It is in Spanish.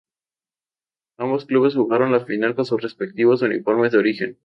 Ambos clubes jugaron la final con sus respectivos uniformes de origen.